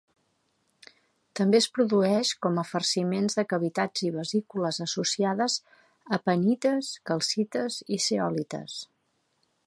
També es produeix com a farciments de cavitats i vesícules associades a prehnites, calcites i zeolites.